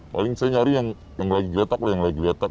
paling saya nyari yang lagi geletak lah yang lagi letak